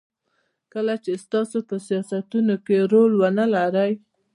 کله چې تاسو په سیاستونو کې رول ونلرئ.